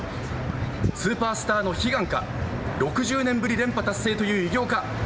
スーパースターの悲願か、６０年ぶり連覇達成という偉業か。